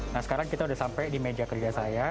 nah sekarang kita sudah sampai di meja kerja saya